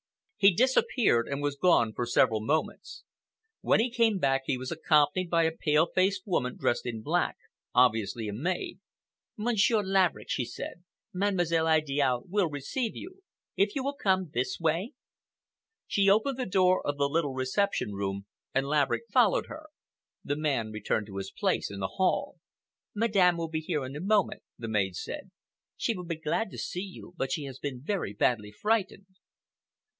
He disappeared and was gone for several moments. When he came back he was accompanied by a pale faced woman dressed in black, obviously a maid. "Monsieur Laverick," she said, "Mademoiselle Idiale will receive you. If you will come this way?" She opened the door of the little reception room, and Laverick followed her. The man returned to his place in the hall. "Madame will be here in a moment," the maid said. "She will be glad to see you, but she has been very badly frightened."